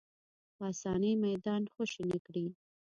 په اسانۍ میدان خوشې نه کړي